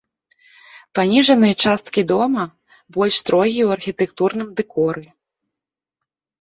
Паніжаныя часткі дома больш строгія ў архітэктурным дэкоры.